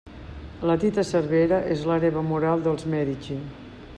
La Tita Cervera és l'hereva moral dels Medici.